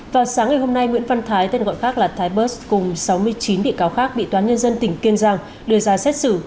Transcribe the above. vào sáng ngày hôm nay nguyễn văn thái tên gọi khác là thái bớt cùng sáu mươi chín bị cáo khác bị toán nhân dân tỉnh kiên giang đưa ra xét xử